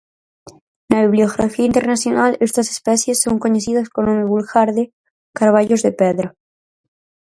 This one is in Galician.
Na bibliografía internacional estas especies son coñecidas co nome vulgar de "carballos de pedra".